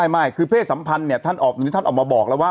ไม่คือเพศสัมพันธ์เนี่ยท่านออกมาบอกแล้วว่า